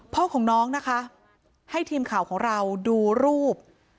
พ่อของน้องนะคะให้ทีมข่าวของเราดูรูป